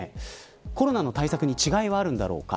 コロナの対策に違いはあるんだろうか。